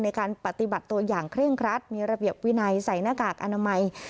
ในการปฏิบัติตัวอย่างเคร่งครัดมีระเบียบวินัยใส่หน้ากากอนามัย